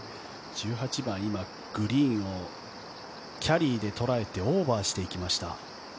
１８番今グリーンをキャリーで捉えてオーバーしていきました。